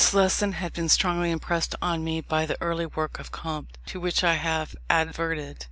This lesson had been strongly impressed on me by the early work of Comte, to which I have adverted.